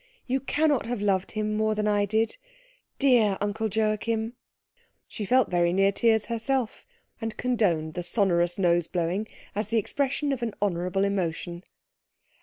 You cannot have loved him more than I did dear Uncle Joachim!" She felt very near tears herself, and condoned the sonorous nose blowing as the expression of an honourable emotion.